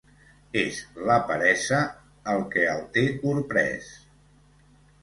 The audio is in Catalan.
És la peresa, el que el té corprès!